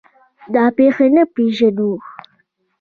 دا بېخي نه پېژنو.